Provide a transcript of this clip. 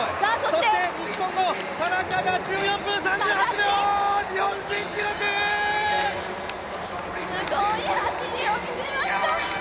そして日本の田中が１４分３８秒、日本新記録！すごい走りを見せました！